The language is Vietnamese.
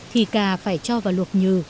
thì cà phải cho vào luộc nhừ